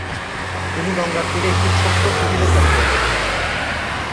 তিনি গঙ্গার তীরে একটি ছোট্ট কুঠিরে থাকতেন।